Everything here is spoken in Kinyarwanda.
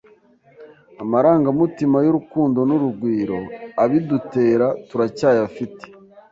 amarangamutima y’urukundo n’urugwiro abidutera turacyayafite,